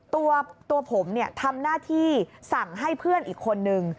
ตัวผมทำหน้าที่สั่งให้เพื่อนอีกคนนึง